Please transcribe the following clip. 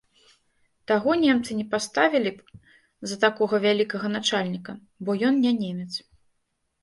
Таго немцы не паставілі б за такога вялікага начальніка, бо ён не немец.